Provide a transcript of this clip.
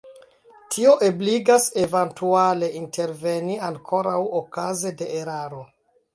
Tio ebligas eventuale interveni ankoraŭ okaze de eraro.